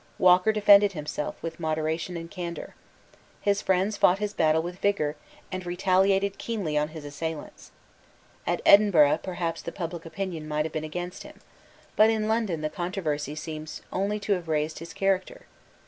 Walker defended himself with moderation and candour. His friends fought his battle with vigour, and retaliated keenly on his assailants. At Edinburgh perhaps the public opinion might have been against him. But in London the controversy seems only to have raised his character.